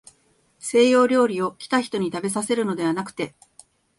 西洋料理を、来た人にたべさせるのではなくて、